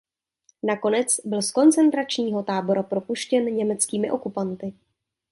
Nakonec byl z koncentračního tábora propuštěn německými okupanty.